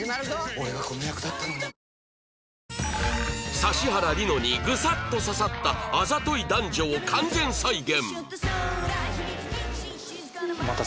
俺がこの役だったのに指原莉乃にグサッと刺さったあざとい男女を完全再現